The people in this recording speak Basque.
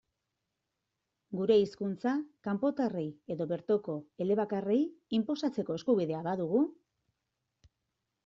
Gure hizkuntza, kanpotarrei edo bertoko elebakarrei, inposatzeko eskubidea badugu?